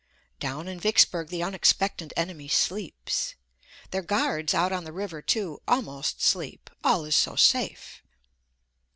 Down in Vicksburg the unexpectant enemy sleeps. Their guards out on the river, too, almost sleep; all is so safe.